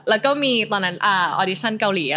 แล้วก็มีตอนนั้นออดิชั่นเกาหลี